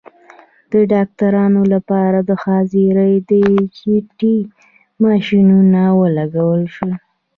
د ډاکټرانو لپاره د حاضرۍ ډیجیټلي ماشینونه ولګول شول.